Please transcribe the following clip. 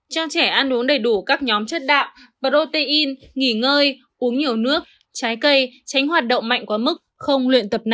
cho trẻ ăn uống đầy đủ các nhóm chất đạo protein nghỉ ngơi uống nhiều nước trái cây tránh hoạt động mạnh quá mức không luyện tập nào